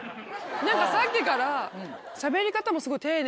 何かさっきから。